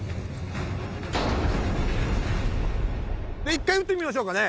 一回撃ってみましょうかね？